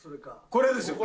これですよ。